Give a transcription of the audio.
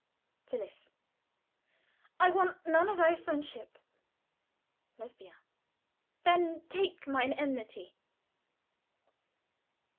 "Phillis. I want none o' thy friendship! Lesbia. Then take my enmity!"